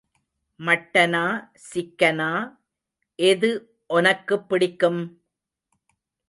மட்டனா, சிக்கனா, எது ஒனக்குப் பிடிக்கும்?